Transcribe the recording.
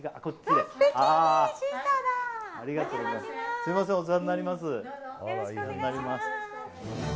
すみません、お世話になります。